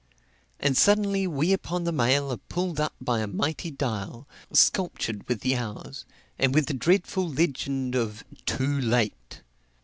And suddenly we upon the mail are pulled up by a mighty dial, sculptured with the hours, and with the dreadful legend of TOO LATE.